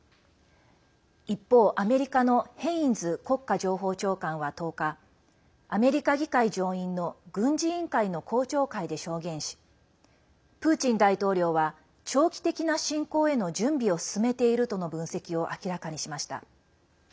一方、アメリカのヘインズ国家情報長官は１０日アメリカ議会上院の軍事委員会の公聴会で証言しプーチン大統領は長期的な侵攻への準備を進めているとの分析を明らかにしました。